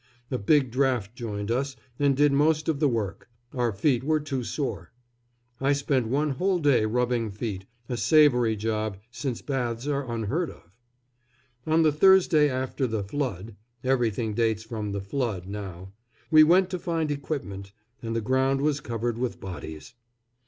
A big draft joined us, and did most of the work, our feet were too sore. (I spent one whole day rubbing feet a savoury job, since baths are unheard of.) On the Thursday after the "Flood" (everything dates from the "Flood" now) we went to find equipment, and the ground was covered with bodies.